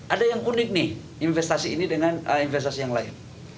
ada yang unik nih investasi ini dengan investasi yang lain